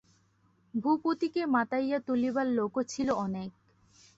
ভূপতিকে মাতাইয়া তুলিবার লোকও ছিল অনেক।